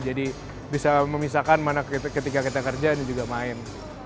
jadi bisa memisahkan ketika kita kerja dan juga main